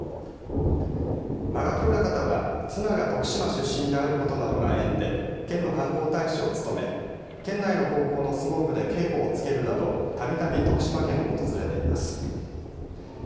間垣親方は妻が徳島出身であることなどが縁で県の観光大使を務め県内の高校の相撲部で稽古をつけるなどたびたび徳島県を訪れています。